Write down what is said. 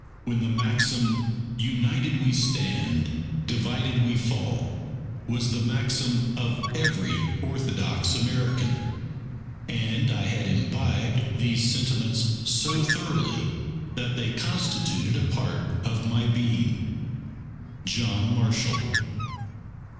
when the maxim, "United we stand, divided we fall," was the maxim of every orthodox American; and I had imbibed these sentiments so thoroughly that they constituted a part of my being._ JOHN MARSHALL.